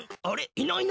いないな。